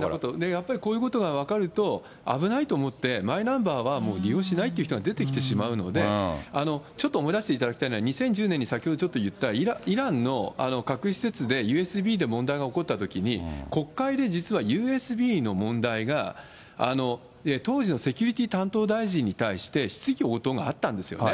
やっぱりこういうことが分かると、危ないと思って、マイナンバーはもう利用しないっていう人が出てきてしまうので、ちょっと思い出していただきたいのは、２０１０年に先ほどちょっと言った、イランの核施設でＵＳＢで問題が起こったときに、国会で実はＵＳＢの問題が、当時のセキュリティー担当大臣に対して質疑応答があったんですよね。